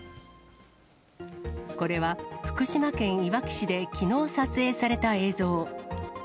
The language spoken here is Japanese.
これは福島県いわき市で、きのう撮影された映像。